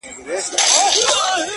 واړه او لوی ښارونه!!